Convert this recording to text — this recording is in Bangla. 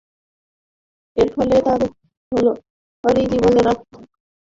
এরফলে, তার খেলোয়াড়ী জীবনের আকস্মিক সমাপ্তি ঘটে।